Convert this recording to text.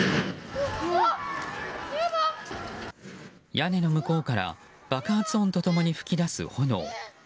屋根の向こうから爆発音と共に噴き出す炎。